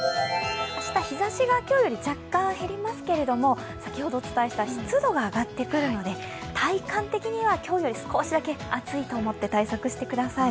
明日、日ざしが今日より若干減りますけど先ほどお伝えした湿度が上がってくるので体感的には今日より少しだけ暑いと思って対策してください。